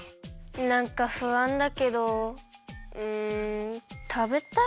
なんかふあんだけどうんたべたいものか。